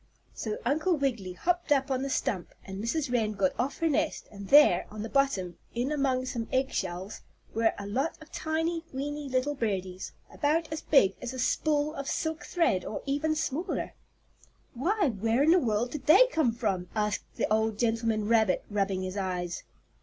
So Uncle Wiggily hopped up on the stump, and Mrs. Wren got off her nest, and there, on the bottom, in among some egg shells, were a lot of tiny, weeny little birdies, about as big as a spool of silk thread or even smaller. "Why, where in the world did they come from?" asked the old gentleman rabbit, rubbing his eyes.